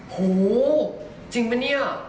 โหจริงปะเนี่ย